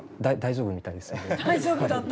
大丈夫だった。